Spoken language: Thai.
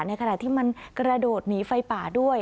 ในขณะที่มันกระโดดหนีไฟป่าด้วย